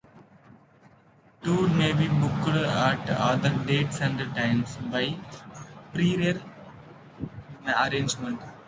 Tours may be booked, at other dates and times, by prior arrangement.